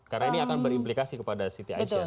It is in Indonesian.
karena ini akan berimplikasi kepada city asia